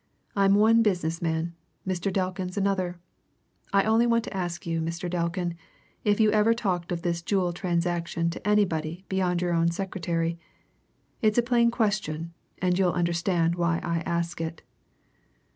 "I'm one business man Mr. Delkin's another. I only want to ask you, Mr. Delkin, if you ever talked of this jewel transaction to anybody beyond your own secretary? It's a plain question, and you'll understand why I ask it."